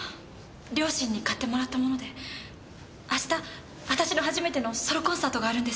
両親に買ってもらったもので明日私の初めてのソロコンサートがあるんです。